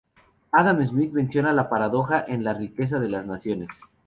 Adam Smith menciona la paradoja en "La riqueza de las naciones".